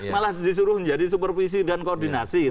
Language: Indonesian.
malah disuruh menjadi supervisi dan koordinasi